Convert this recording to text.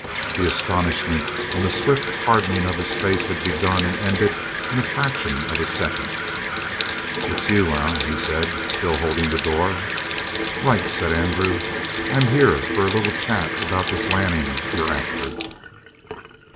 The astonishment and the swift hardening of his face had begun and ended in a fraction of a second. "It's you, eh?" he said, still holding the door. "Right," said Andrew. "I'm here for a little chat about this Lanning you're after."